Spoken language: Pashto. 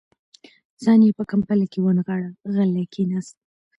ځان يې په کمپله کې ونغاړه، غلی کېناست.